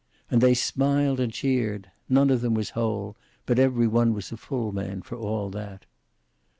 And they smiled and cheered. None of them was whole, but every one was a full man, for all that.